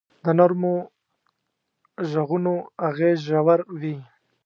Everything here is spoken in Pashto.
د نرمو ږغونو اغېز ژور وي.